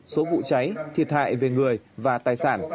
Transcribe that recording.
số vụ cháy thiệt hại về người và tài sản